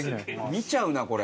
見ちゃうなこれ。